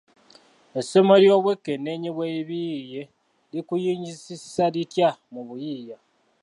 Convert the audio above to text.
Essomo ly’obwekenneenyi bw’ebiyiiye likuyinzisisa litya mu buyiiya?